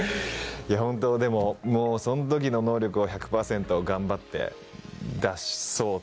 ホントでもそん時の能力を１００％頑張って出そうと。